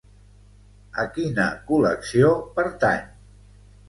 A quina col·lecció pertany?